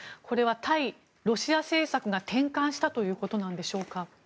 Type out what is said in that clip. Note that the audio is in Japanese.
これは対ロシア政策が転換したということなんでしょうか？